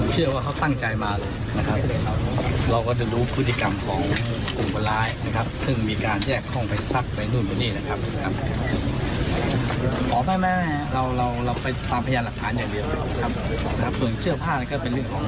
เคยน่าเช่นเช่นครับซึ่งก็เป็นปัญหาอยู่นะครับ